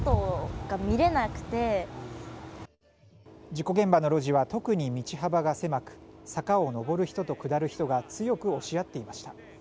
事故現場の路地は特に道幅が狭く坂を上る人と、下る人が強く押し合っていました。